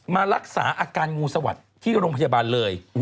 มารักษาอาการงูสวัสดิ์ที่โรงพยาบาลเลย